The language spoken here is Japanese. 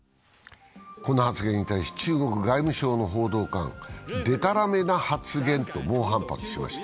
この発言に対し、中国外務省の報道官は、でたらめな発言と猛反発しました。